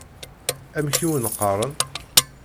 Amek i wen-qqaṛen?